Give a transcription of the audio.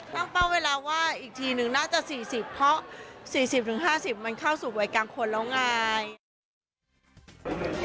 เป้าเวลาว่าอีกทีนึงน่าจะ๔๐เพราะ๔๐๕๐มันเข้าสู่วัยกลางคนแล้วไง